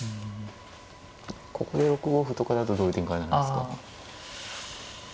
ここで６五歩とかだとどういう展開なんですか。